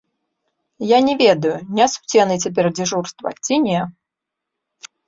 Я не ведаю, нясуць яны цяпер дзяжурства ці не.